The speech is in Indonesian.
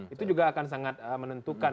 itu juga akan sangat menentukan